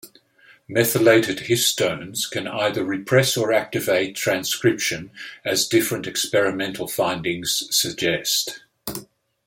Methylated histones can either repress or activate transcription as different experimental findings suggest.